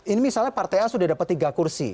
ini misalnya partai a sudah dapat tiga kursi